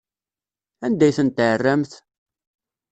Anda ay ten-tɛerramt?